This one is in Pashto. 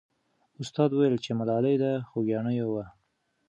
استاد وویل چې ملالۍ د خوګیاڼیو وه.